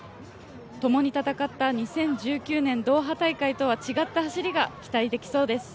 共に戦った２０１９年ドーハ大会とは違った走りが期待できそうです。